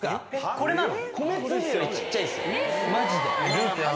これなの？